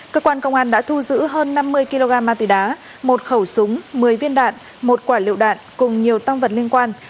cơ quan công an đã thu giữ hơn năm mươi kg ma túy đá một khẩu súng một mươi viên đạn một quả liệu đạn cùng nhiều tăng vật liên quan